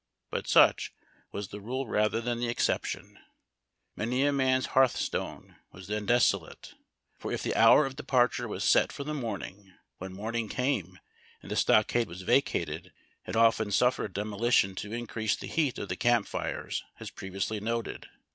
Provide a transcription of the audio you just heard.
But such was the rule rather than the exception. ^Nlany a man's hearth stone was then desolate, for if the hour of departure was set for the morn ing, when morning came and the stockade was vacated, it often suffered demolition to increase the heat of the camp fires, as previously noted.